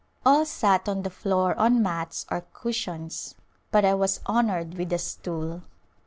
All sat on the floor on mats or cushions but I was honored with a stool.